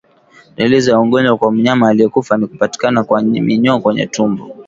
Dalili za ugonjwa kwa mnyama aliyekufa ni kupatikana kwa minyoo kwenye utumbo